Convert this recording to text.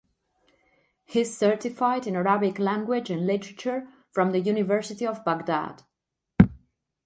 He is certified in Arabic Language and Literature from the University of Baghdad.